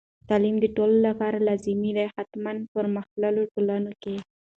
تعلیم د ټولو لپاره لازمي دی، خاصتاً پرمختللو ټولنو کې.